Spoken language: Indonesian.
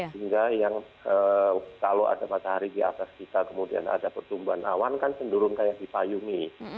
sehingga yang kalau ada matahari di atas kita kemudian ada pertumbuhan awan kan cenderung kayak dipayumi